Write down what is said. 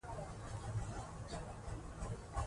دوی به له افغانستانه ولاړ سي.